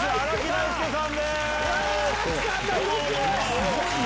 すごいな！